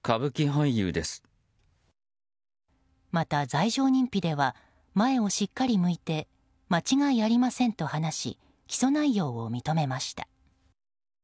また、罪状認否では前をしっかり向いて間違いありませんと話し起訴内容を認めました。